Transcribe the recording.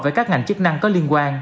với các ngành chức năng có liên quan